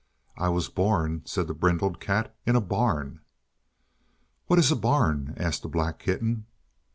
"I was born," said the brindled cat, "in a barn." "What is a barn?" asked the black kitten.